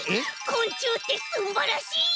こんちゅうってすんばらしい！